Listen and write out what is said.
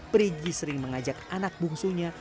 perigi sering mengajak anak bungsunya